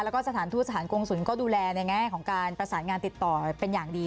แล้วก็สถานทูตสถานกงศูนย์ก็ดูแลในแง่ของการประสานงานติดต่อเป็นอย่างดี